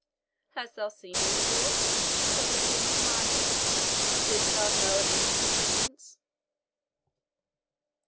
"Hast thou seen him, De Vaux?" said the King, smiling; "and didst thou know an ancient acquaintance?"